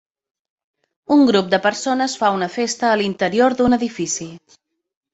Un grup de persones fa una festa a l'interior d'un edifici.